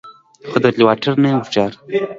_ها ورته وګوره! کراره پرته ده.